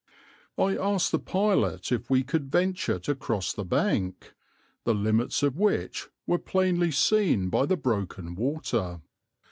"I asked the pilot if we could venture to cross the bank, the limits of which were plainly seen by the broken water.